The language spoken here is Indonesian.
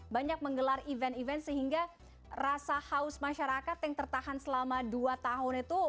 banyak menggelar event event sehingga rasa haus masyarakat yang tertahan selama dua tahun itu